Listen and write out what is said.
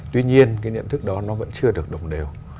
tuy nhiên cái nhận thức đó nó vẫn chưa được đồng đều